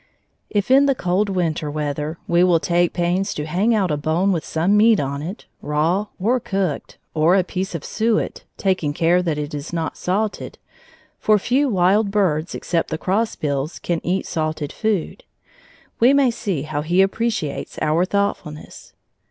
If in the cold winter weather we will take pains to hang out a bone with some meat on it, raw or cooked, or a piece of suet, taking care that it is not salted, for few wild birds except the crossbills can eat salted food, we may see how he appreciates our thoughtfulness.